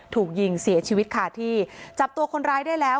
ถูกยิงเสียชีวิตค่ะที่จับตัวคนร้ายได้แล้ว